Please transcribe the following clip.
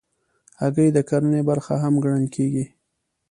هګۍ د کرنې برخه هم ګڼل کېږي.